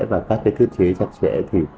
và các cái thức chế chặt chẽ thì